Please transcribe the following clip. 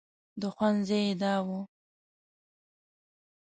د خوند ځای یې دا و.